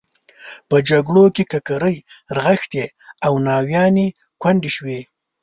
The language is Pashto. په جګړو کې ککرۍ رغښتې او ناویانې کونډې شوې.